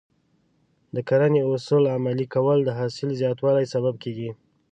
د کرنې اصول عملي کول د حاصل زیاتوالي سبب کېږي.